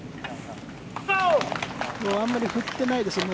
あまり振ってないですね。